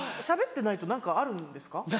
しゃべってないと何かあるんですか？